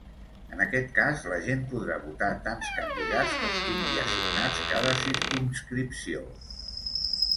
En aquest cas la gent podrà votar tants candidats com tingui assignats cada circumscripció.